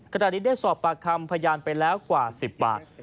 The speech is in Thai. ขณะนี้ได้สอบปากคำพยานไปแล้วกว่า๑๐ปาก